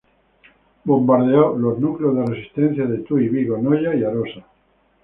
Bombardeó los núcleos de resistencia de Tuy, Vigo, Noya y Arosa.